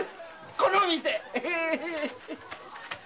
この店。